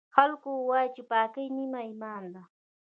خلکوایي چې پاکۍ نیم ایمان ده